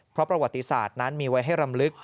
เพราะประวัติศาสตร์นั้นมีไว้ให้รำลึก